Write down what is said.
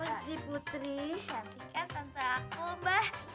tunggu putri panggilin